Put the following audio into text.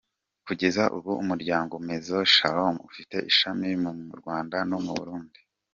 Kugeza ubu umuryango Maison Shalom ufite ishami mu Rwanda no mu Burundi.